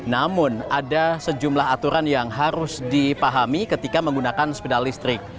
namun ada sejumlah aturan yang harus dipahami ketika menggunakan sepeda listrik